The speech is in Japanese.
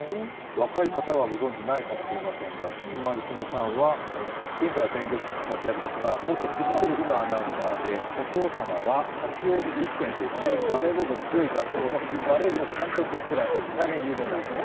若い方はご存じないかもしれませんが、菊間千乃さんは、現在は弁護士として活躍ですが元フジテレビのアナウンサーで、お父様は八王子実践という非常にバレーボールの強い学校の、バレー部の監督をしていらっしゃって、大変有名な方です。